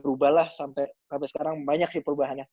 berubah lah sampai sekarang banyak sih perubahannya